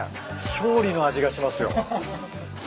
勝利の味がしますよ。